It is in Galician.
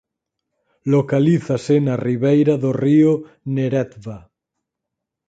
Localízase na ribeira do río Neretva.